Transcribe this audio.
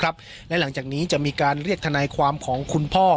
และหลังจากนี้จะมีการเรียกทนายความของคุณพ่อ